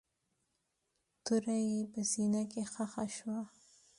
توره يې په سينه کښې ښخه شوه.